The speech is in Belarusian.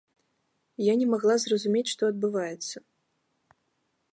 Я не магла зразумець, што адбываецца.